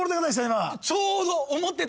今。